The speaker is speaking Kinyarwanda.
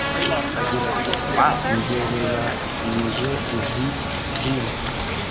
Agira ati “Ngereranyije izi Gin